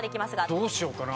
どうしようかな。